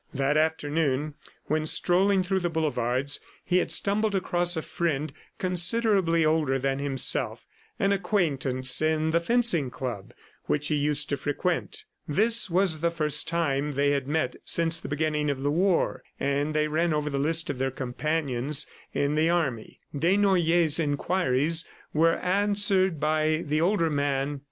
That afternoon, when strolling through the boulevards, he had stumbled across a friend considerably older than himself, an acquaintance in the fencing club which he used to frequent. This was the first time they had met since the beginning of the war, and they ran over the list of their companions in the army. Desnoyers' inquiries were answered by the older man.